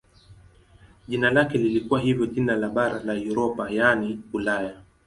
Jina lake lilikuwa hivyo jina la bara la Europa yaani Ulaya.